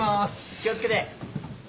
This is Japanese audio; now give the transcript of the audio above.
気を付けて。